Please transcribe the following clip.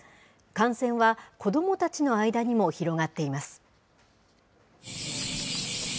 感染は子どもたちの間にも広がっています。